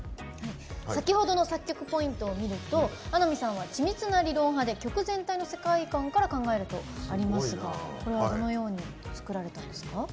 先ほどの作曲ポイントを見ると穴見さんは「緻密な理論派」で曲全体の世界観から考えるとありますが、これはどのように作られたんですか？